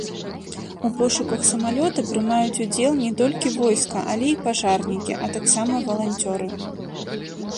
У пошуках самалёта прымаюць удзел не толькі войска, але і пажарнікі, а таксама валанцёры.